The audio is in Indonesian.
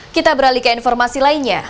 kita beralih ke informasi lainnya